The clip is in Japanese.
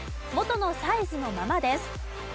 元のサイズのままです。